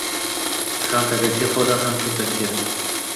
Ham tabiatga foyda, ham cho‘ntakka.